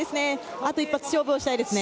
あと一発勝負したいですね。